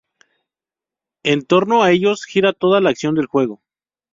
En torno a ellos gira toda la acción del juego.